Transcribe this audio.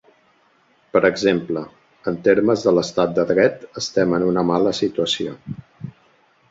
Per exemple, en termes de l’estat de dret estem en una mala situació.